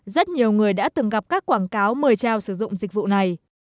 rất nhiều người đã từng gặp các quảng cáo mời trao sử dụng dịch vụ này